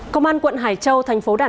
công an quận hải châu thành phố đà nẵng